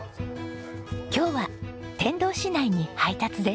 今日は天童市内に配達です。